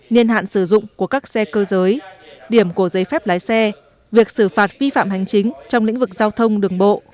niên hạn sử dụng của các xe cơ giới điểm của giấy phép lái xe việc xử phạt vi phạm hành chính trong lĩnh vực giao thông đường bộ